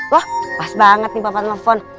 wah pas banget nih papa telepon